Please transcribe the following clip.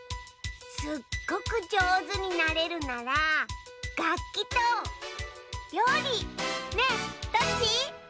すっごくじょうずになれるならがっきとりょうりねえどっち？